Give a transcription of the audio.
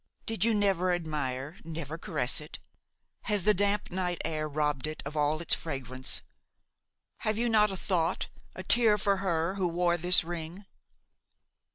Did you never admire, never caress it? Has the damp night air robbed it of all its fragrance? Have you not a thought, a tear for her who wore this ring?"